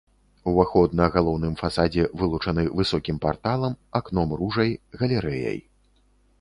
Уваход на галоўным фасадзе вылучаны высокім парталам, акном-ружай, галерэяй.